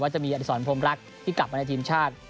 จะมีอดิษรพรมรักที่กลับมาในทีมชาติ